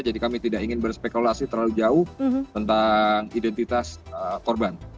jadi kami tidak ingin berspekulasi terlalu jauh tentang identitas korban